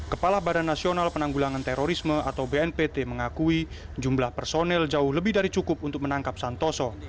kepala badan nasional penanggulangan terorisme atau bnpt mengakui jumlah personel jauh lebih dari cukup untuk menangkap santoso